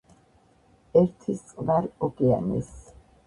ერთვის წყნარ ოკეანეს.